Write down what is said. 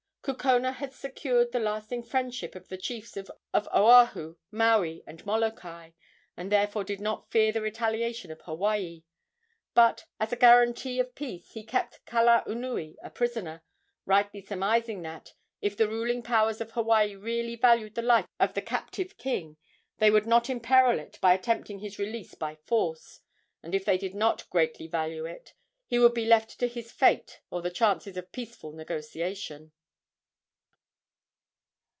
Kukona had secured the lasting friendship of the chiefs of Oahu, Maui and Molokai, and therefore did not fear the retaliation of Hawaii. But, as a guarantee of peace, he kept Kalaunui a prisoner, rightly surmising that, if the ruling powers of Hawaii really valued the life of the captive king, they would not imperil it by attempting his release by force, and if they did not greatly value it he would be left to his fate or the chances of peaceful negotiation.